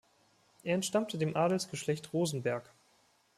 Er entstammte dem Adelsgeschlecht Rosenberg.